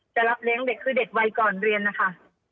จะรับเลี้ยงเด็กคือเด็กวัยก่อนเรียนนะคะ